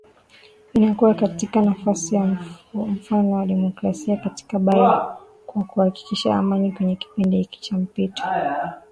inakuwa katika nafasi ya mfano wa demokrasia katika bara kwa kuhakikisha amani kwenye kipindi hiki cha mpito